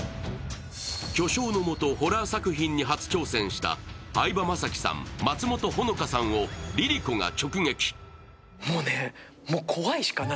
巨匠の元、ホラー作品に初挑戦した相葉雅紀さん、松本穂香さんをＬｉＬｉＣｏが直撃。